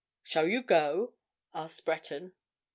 "Shall you go?" asked Breton.